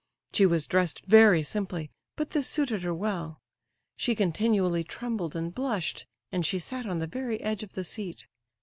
She was dressed very simply, but this suited her well. She continually trembled and blushed, and she sat on the very edge of the seat.